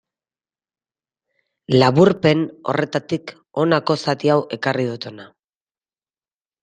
Laburpen horretatik honako zati hau ekarri dut hona.